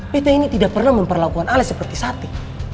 betta ini tidak pernah memperlakukan ale seperti sati